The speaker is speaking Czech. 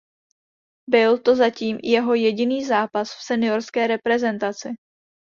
Byl to zatím jeho jediný zápas v seniorské reprezentaci.